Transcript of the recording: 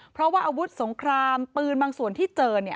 เพราะว่าอาวุธสงครามปืนบางส่วนที่เจอ